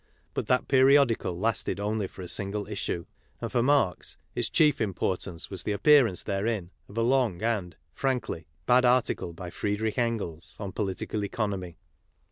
But that periodical lasted only for a single issue, and, for Marx, its chief importance was the appearance therein of a long and, frankly, bad article by Friedrich En^els , on political economy.